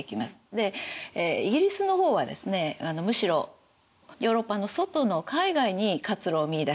でイギリスの方はですねむしろヨーロッパの外の海外に活路を見いだしていく。